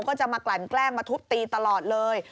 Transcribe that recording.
จะมากลั่นแกล้งมาทุบตีตลอดเลย